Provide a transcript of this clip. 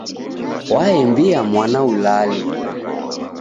Waembia mwana ulale.